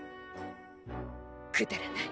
くだらない。